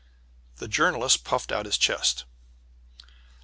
The Journalist puffed out his chest.